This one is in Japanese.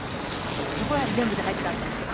そこへは全部で入ったんだっけ？